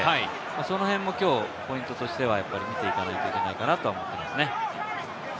その辺もポイントとしては見ていかなきゃいけないかなと思いますね。